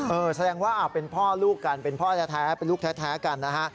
แสดงว่าเป็นพ่อลูกกันเป็นพ่อแท้เป็นลูกแท้กันนะฮะ